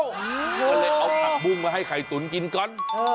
ก็เลยเอาผักบุ้งมาให้ไข่ตุ๋นกินก่อน